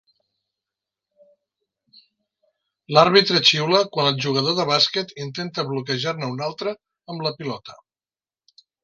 L'àrbitre xiula quan el jugador de bàsquet intenta bloquejar-ne un altre amb la pilota.